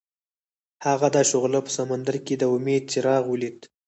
هغه د شعله په سمندر کې د امید څراغ ولید.